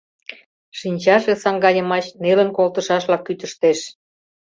Шинчаже саҥга йымач нелын колтышашла кӱтыштеш.